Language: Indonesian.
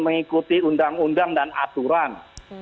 mengikuti undang undang dan aturan